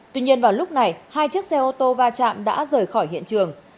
tuy nhiên vào lúc này hai chiếc xe ô tô va chạm đã rời khỏi hiện trường